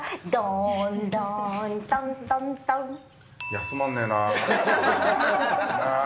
休まんねぇな。